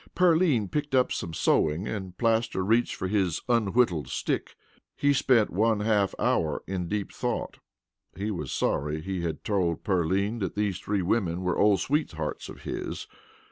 Pearline picked up some sewing and Plaster reached for his unwhittled stick. He spent one half hour in deep thought. He was sorry he had told Pearline that those three women were old sweethearts of his.